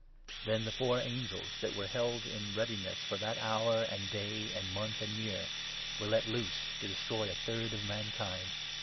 Then the four angels, that were held in 15 readiness for that hour and day and month and year, were let loose, to destroy a third of mankind.